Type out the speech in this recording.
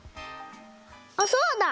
あっそうだ！